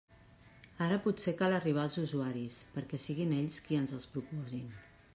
Ara potser cal arribar als usuaris, perquè siguin ells qui ens els proposin.